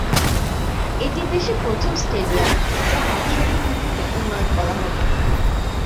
এটি দেশের প্রথম স্টেডিয়াম যা বাৎসরিক ভিত্তিতে উন্নয়ন করা হবে।